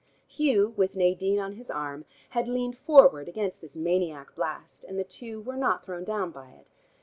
Hugh, with Nadine on his arm, had leaned forward against this maniac blast, and the two were not thrown down by it.